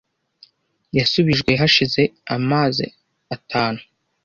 Yasubijwe hashize amaze atanu.